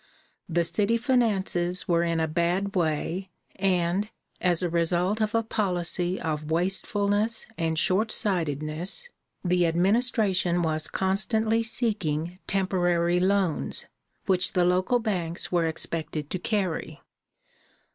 The city finances were in a bad way, and, as the result of a policy of wastefulness and shortsightedness, the administration was constantly seeking temporary loans, which the local banks were expected to carry.